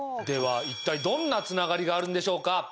では一体どんなつながりがあるんでしょうか？